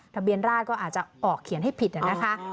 ทะเบียนราชก็อาจจะออกเขียนให้ผิดนะคะ